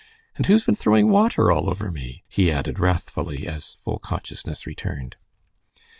"And who's been throwing water all over me?" he added, wrathfully, as full consciousness returned.